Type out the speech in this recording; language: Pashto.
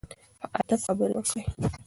په ادب خبرې وکړئ.